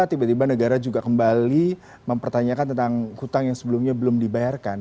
tiba tiba negara juga kembali mempertanyakan tentang hutang yang sebelumnya belum dibayarkan